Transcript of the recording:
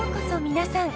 皆さん。